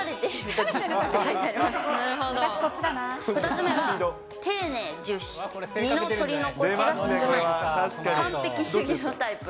２つ目が丁寧重視、身の取り残しが少ない、完璧主義のタイプ。